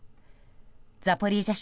ザポリージャ